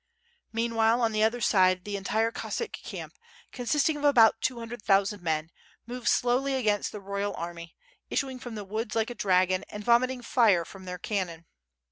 Meanwhile on the other side the entire Cossack camp, con sisting of about two hundred thousand men, moved slowly against the royal army, issuing from the woods like a dragon, and vomiting fire from their cannon.